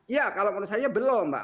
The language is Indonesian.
ya kalau menurut saya belum mbak